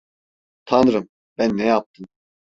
Tanrım, ben ne yaptım?